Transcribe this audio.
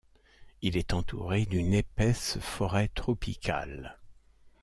Il est entouré d'une épaisse forêt tropicale.